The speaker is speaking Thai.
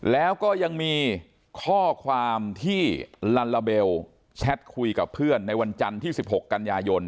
แล้วก็ยังมีข้อความที่ลัลลาเบลแชทคุยกับเพื่อนในวันจันทร์ที่๑๖กันยายน